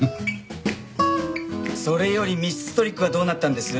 それより密室トリックはどうなったんです？